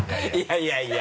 いやいや！